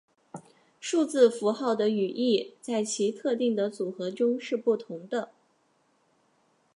数字符号的语义在其特定的组合中是不同的。